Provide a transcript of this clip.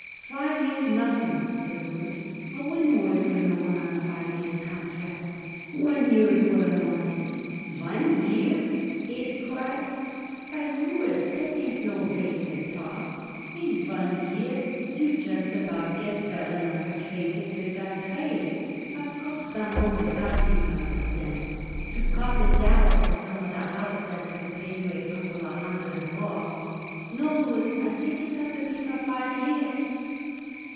"Five years nothing," said Louis. "I wouldn't work for no one on a five years' contract. One year is what I want it." "One year!" Abe cried. "Why, Louis, that ain't no way to talk. In one year you'd just about get well enough acquainted with our trade of course, I'm only talking, y'understand to cop it out for some other house what would pay you a couple of hundred more. No, Louis, I think it ought to be for five years."